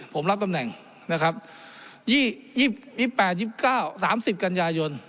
ผมรับตำแหน่งนะครับยี่ยิบยิบแปดยิบเก้าสามสิบกัญญาโยน